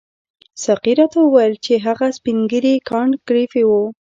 ساقي راته وویل چې هغه سپین ږیری کانت ګریفي وو.